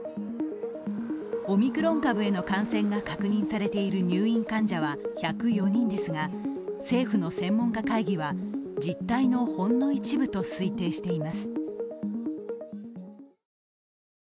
オミクロン株への感染が確認されている入院患者は１０４人ですが政府の専門家会議は、実態のほんの一部と推定しています。